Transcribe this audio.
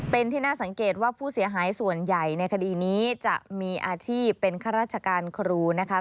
เป็นที่น่าสังเกตว่าผู้เสียหายส่วนใหญ่ในคดีนี้จะมีอาชีพเป็นข้าราชการครูนะคะ